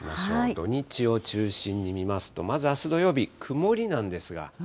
土日を中心に見ますと、まずあす土曜日、曇りなんですが。